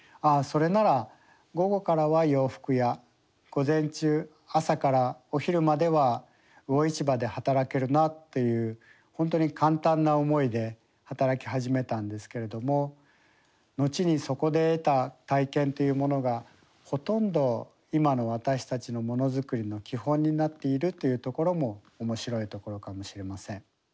それなら午後からは洋服屋午前中朝からお昼までは魚市場で働けるなっていう本当に簡単な思いで働き始めたんですけれども後にそこで得た体験というものがほとんど今の私たちのものづくりの基本になっているというところも面白いところかもしれません。